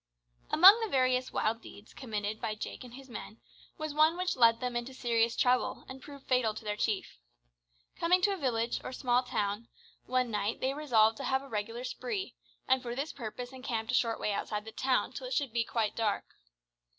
Among the various wild deeds committed by Jake and his men was one which led them into serious trouble and proved fatal to their chief. Coming to a village, or small town, one night they resolved to have a regular spree, and for this purpose encamped a short way outside the town till it should be quite dark.